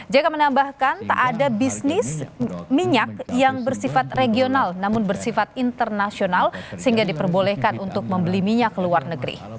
jk menambahkan tak ada bisnis minyak yang bersifat regional namun bersifat internasional sehingga diperbolehkan untuk membeli minyak ke luar negeri